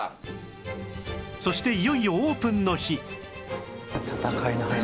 そしていよいよオープンの日